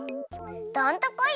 どんとこい！